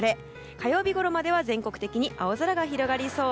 火曜日ごろまでは全国的に青空が広がりそう。